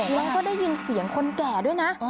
แล้วก็ได้ยินเสียงคนแก่ด้วยนะ